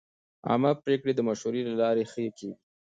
عامه پریکړې د مشورې له لارې ښه کېږي.